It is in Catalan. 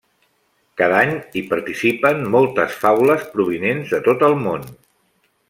Cada any, hi participen moltes faules provinents de tot el món.